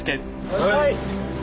はい！